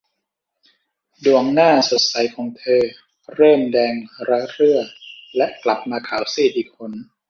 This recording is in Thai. ดวงหน้าสดใสของเธอ เริ่มแดงระเรื่อและกลับมาขาวซีดอีกหน